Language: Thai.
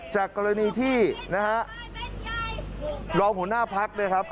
จากกรณีที่ลองหัวหน้าพักอะครับ